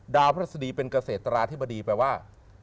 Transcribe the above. พระฤษฎีเป็นเกษตราธิบดีแปลว่า